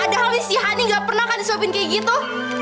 padahal ini si hani gak pernah kan disuapin kayak gitu